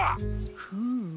フーム。